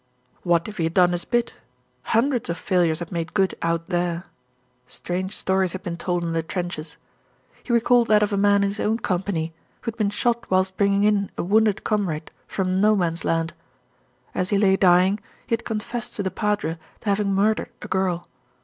What if he had done his bit? Hundreds of failures had made good "out there." Strange stories had been told in the trenches. He recalled that of a man in his own company, who had been shot whilst bringing in a wounded comrade from "no man's land." As he lay dying, he had confessed to the padre to having mur dered a girl.